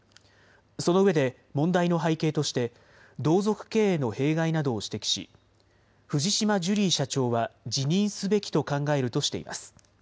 そのうえで問題の背景として同族経営の弊害などを指摘し藤島ジュリー社長は辞任すべきと考えるとしています。